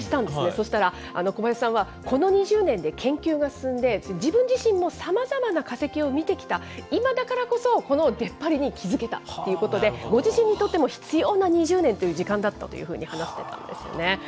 そしたら、小林さんはこの２０年で研究が進んで、自分自身もさまざまな化石を見てきた今だからこそこの出っ張りに気付けたということで、ご自身にとっても必要な２０年という時間だったというふうに話してたんですよね。